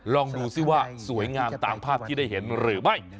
ลองดูซิว่าสวยงามตามภาพที่ได้เห็นหรือไม่